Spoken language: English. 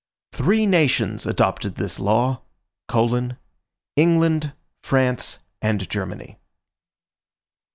Three nations adopted this law: England, France, and Germany.